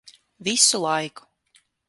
Visu laiku.